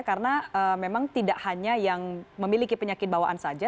karena memang tidak hanya yang memiliki penyakit bawaan saja